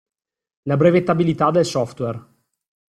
La brevettabilità del software.